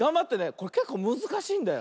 これけっこうむずかしいんだよ。